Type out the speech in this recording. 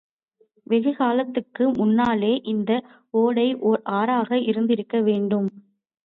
வெகு காலத்துக்கு முன்னாலே, இந்த ஓடை ஓர் ஆறாக இருந்திருக்க வேண்டும்.